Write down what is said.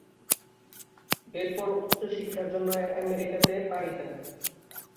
এরপর উচ্চশিক্ষার জন্য আমেরিকাতে পাড়ি দেন।